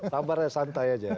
sabarnya santai aja